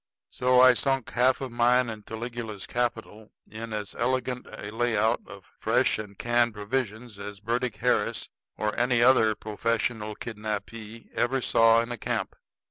So I sunk half of mine and Caligula's capital in as elegant a layout of fresh and canned provisions as Burdick Harris or any other professional kidnappee ever saw in a camp.